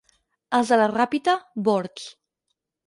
Els de la Ràpita, bords.